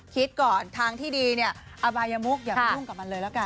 คิดก่อนทางที่ดีเนี่ยอบายมุกอย่าไปยุ่งกับมันเลยละกัน